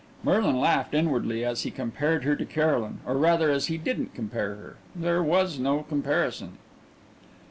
Merlin laughed inwardly as he compared her to Caroline, or rather as he didn't compare her. There was no comparison.